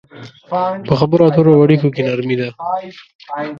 په خبرو اترو او اړيکو کې نرمي ده.